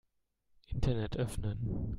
Internet öffnen.